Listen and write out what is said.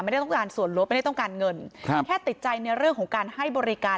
ไม่ได้ต้องการส่วนลดไม่ได้ต้องการเงินครับแค่ติดใจในเรื่องของการให้บริการ